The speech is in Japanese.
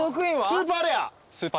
スーパーレア。